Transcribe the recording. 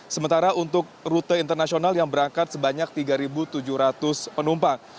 sementara untuk rute internasional yang berangkat sebanyak tiga tujuh ratus penumpang